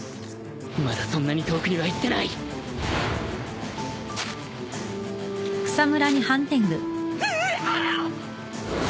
まだそんなに遠くには行ってない！・ヒィィ！